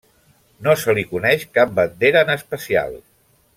No se li coneix cap bandera en especial.